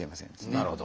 なるほど。